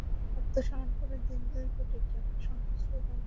আত্মসমর্পণের দিন দুই কোটি টাকা সংশ্লিষ্ট ব্যাংকে জমা দিতে বলা হয়েছিল।